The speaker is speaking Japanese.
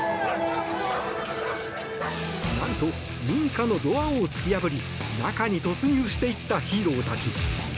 何と民家のドアを突き破り中に突入していったヒーローたち。